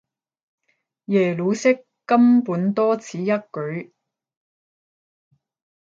耶魯式根本多此一舉